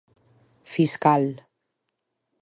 Fiscal.